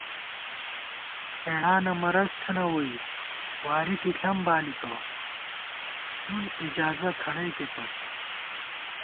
ہېڑانہ مرض تھنہ ووئی ، واری کی ݪم بالِکہ ، نُون اِجازہ کھڑئیکے پت